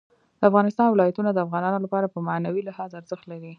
د افغانستان ولايتونه د افغانانو لپاره په معنوي لحاظ ارزښت لري.